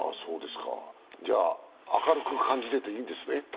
じゃあ、明るく感じてていいんですね？